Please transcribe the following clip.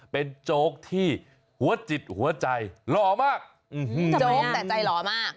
เป็นโจ๊กที่หัวจิตหัวใจหล่อมากโจ๊กแต่ใจหล่อมาก